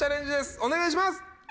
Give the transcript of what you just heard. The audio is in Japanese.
お願いします。